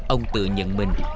ông tự nhận mình